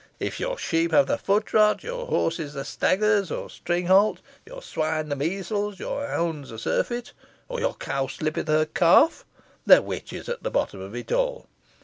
If your sheep have the foot rot your horses the staggers or string halt your swine the measles your hounds a surfeit or your cow slippeth her calf the witch is at the bottom of it all.